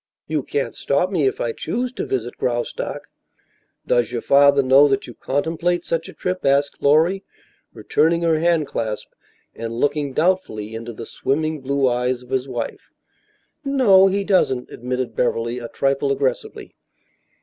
"You can't stop me if I choose to visit Graustark." "Does your father know that you contemplate such a trip?" asked Lorry, returning her handclasp and looking doubtfully into the swimming blue eyes of his wife. "No, he doesn't," admitted Beverly, a trifle aggressively.